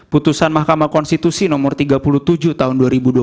putusan mahkamah konstitusi nomor tiga puluh tujuh tahun dua ribu dua puluh